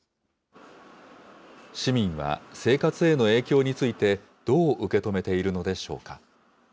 市民は生活への影響について、どう受け止めているのでしょうか。